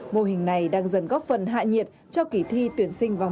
mô hình này đang dần góp phần hạ nhiệt cho kỷ thi tuyển sinh vào một mươi